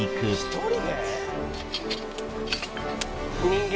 「１人で！？」